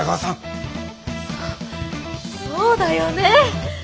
そそうだよね。